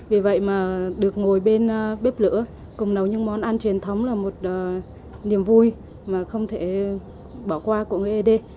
vì vậy mà được ngồi bên bếp lửa cùng nấu những món ăn truyền thống là một niềm vui mà không thể bỏ qua của người ế đê